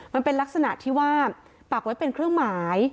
มันเป็นลักษณะที่ว่าปักไว้เป็นเครื่องหมาย